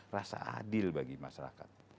rasa adil bagi masyarakat